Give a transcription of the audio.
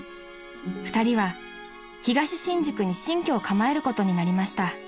［２人は東新宿に新居を構えることになりました］